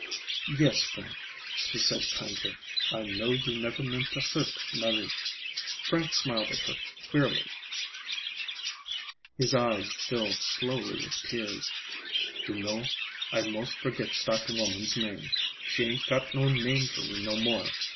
"Yes, Frank," she said kindly. "I know you never meant to hurt Marie." Frank smiled at her queerly. His eyes filled slowly with tears. "You know, I most forgit dat woman's name. She ain't got no name for me no more.